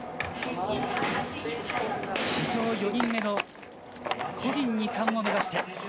史上４人目の個人２冠を目指して。